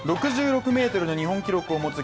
６６ｍの日本記録を持つ